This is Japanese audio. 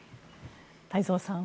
太蔵さんは。